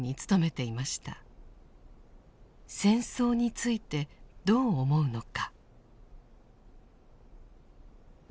戦争についてどう思うのか。